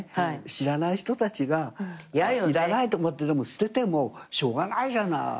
知らない人たちが「いらない」と思って捨ててもしょうがないじゃない。